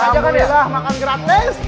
alhamdulillah makan gratis